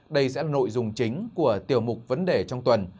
đây sẽ là nội dung chính của tiểu mục vấn đề trong tuần